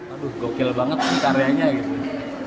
aduh gokil banget kan karyanya gitu